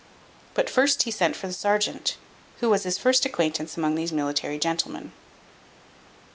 But first he sent for the serjeant, who was his first acquaintance among these military gentlemen.